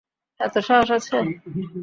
এতো সাহস আছে?